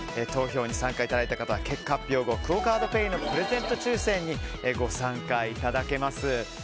投票に参加いただいた方は結果発表後クオ・カードペイのプレゼント抽選にご参加いただけます。